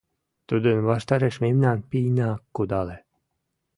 Тудын ваштареш мемнан пийна кудале.